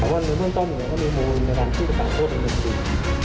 แต่ว่าในร่วมต้อนหน่วยก็มีมูลในการพูดต่างโฆษณ์กันด้วย